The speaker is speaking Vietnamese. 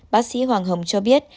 bác sĩ hoàng hồng cho biết